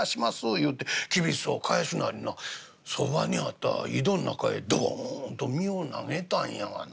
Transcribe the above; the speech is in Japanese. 言うてきびすを返すなりなそばにあった井戸ん中へドボンと身を投げたんやがな。